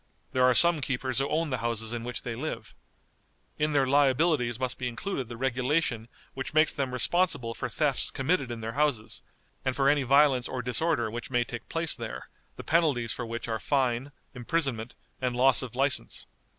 There are some keepers who own the houses in which they live. In their liabilities must be included the regulation which makes them responsible for thefts committed in their houses, and for any violence or disorder which may take place there, the penalties for which are fine, imprisonment, and loss of license.